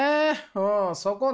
うんそこね。